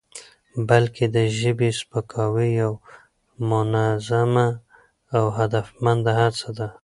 بلکې د ژبني سپکاوي یوه منظمه او هدفمنده هڅه ده؛